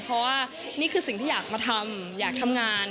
เพราะว่านี่คือสิ่งที่อยากมาทำอยากทำงาน